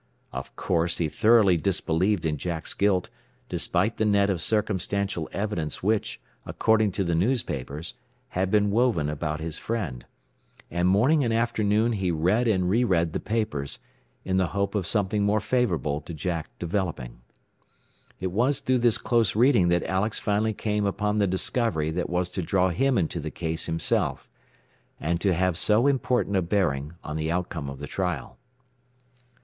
Of course he thoroughly disbelieved in Jack's guilt, despite the net of circumstantial evidence which, according to the newspapers, had been woven about his friend; and morning and afternoon he read and re read the papers, in the hope of something more favorable to Jack developing. It was through this close reading that Alex finally came upon the discovery that was to draw him into the case himself, and to have so important a bearing on the outcome of the trial.